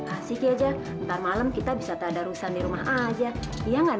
asik aja ntar malam kita bisa tak ada urusan di rumah aja iya nggak